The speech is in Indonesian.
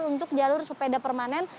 untuk jalur sepeda permanen